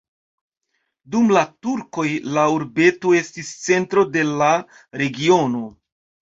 Dum la turkoj la urbeto estis centro de la regiono.